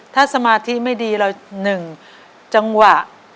ถ้าสมาธิไม่ดีเรา๑จังหวะ